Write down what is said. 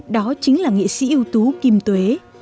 đó chính là nghệ sĩ yêu tú kim tuế